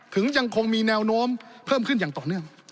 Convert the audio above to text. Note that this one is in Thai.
ยังคงมีแนวโน้มเพิ่มขึ้นอย่างต่อเนื่อง